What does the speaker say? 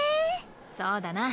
そうだな。